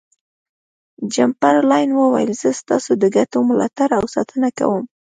چمبرلاین وویل زه ستاسو د ګټو ملاتړ او ساتنه کوم.